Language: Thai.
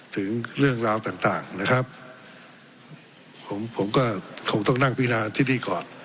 ถึงเรื่องราวต่างต่างนะครับผมผมก็คงต้องนั่งพินาที่นี่ก่อน